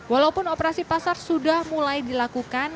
walaupun operasi pasar sudah mulai dilakukan